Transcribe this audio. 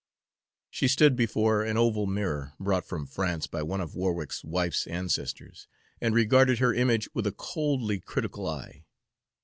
She stood before an oval mirror brought from France by one of Warwick's wife's ancestors, and regarded her image with a coldly critical eye.